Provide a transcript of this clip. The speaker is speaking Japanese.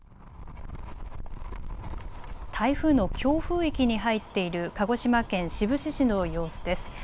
台風の強風域に入っている鹿児島県志布志市の様子です。